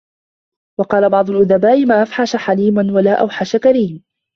وَقَالَ بَعْضُ الْأُدَبَاءِ مَا أَفْحَشَ حَلِيمٌ وَلَا أَوْحَشَ كَرِيمٌ